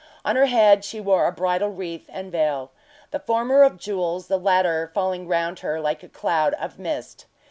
On her head she wore a bridal wreath and veil the former of jewels, the latter falling round her like a cloud of mist.